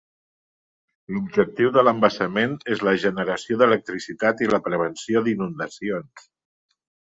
L'objectiu de l'embassament és la generació d'electricitat i la prevenció d'inundacions.